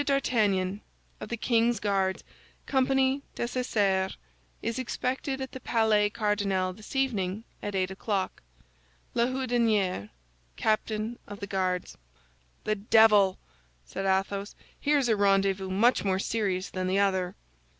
d'Artagnan, of the king's Guards, company Dessessart, is expected at the Palais Cardinal this evening, at eight o'clock. "LA HOUDINIERE, Captain of the Guards" "The devil!" said Athos; "here's a rendezvous much more serious than the other."